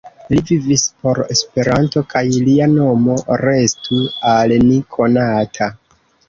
Li vivis por Esperanto, kaj lia nomo restu al ni konata!